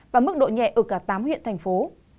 và mức độ nhẹ ở cả tám huyện thành phố